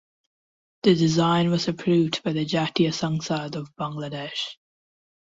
The design was approved by the Jatiya Sangsad of Bangladesh.